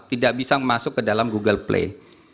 tidak bisa masuk ke dalam google play